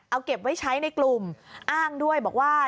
เอาเก็บไว้ใช้ในกลุ่มอ้างด้วยบอกว่า